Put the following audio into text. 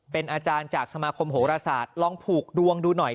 เป็นอาจารย์จากสมาคมโหรศาสตร์ลองผูกดวงดูหน่อย